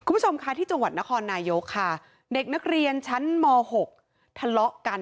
คุณผู้ชมค่ะที่จังหวัดนครนายกค่ะเด็กนักเรียนชั้นม๖ทะเลาะกัน